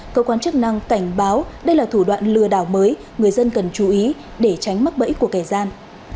cơ quan chức năng cảnh báo đây là thủ đoạn lừa đảo mới người dân cần chú ý để tránh mắc bẫy của kẻ gian